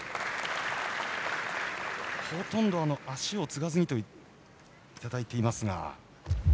ほとんど足をつがずにと言っていただいていますが。